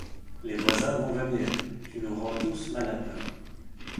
Les voisins vont venir, tu nous rends tous malades.